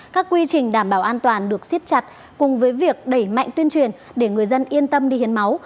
các quy trình đảm bảo an toàn được siết chặt cùng với việc đẩy mạnh tuyên truyền để người dân yên tâm đi hiến máu